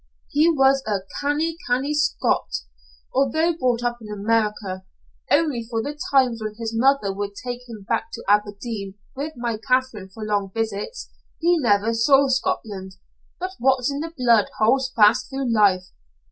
"He was a canny, canny Scot, although brought up in America. Only for the times when his mother would take him back to Aberdeen with my Katherine for long visits, he never saw Scotland, but what's in the blood holds fast through life.